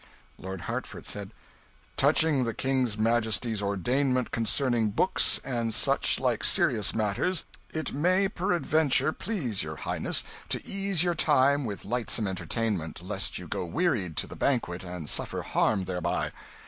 Lord Hertford said "Touching the King's majesty's ordainment concerning books and such like serious matters, it may peradventure please your highness to ease your time with lightsome entertainment, lest you go wearied to the banquet and suffer harm thereby."